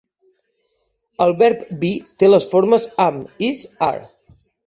El verb "be" té les formes "am", "is", "are".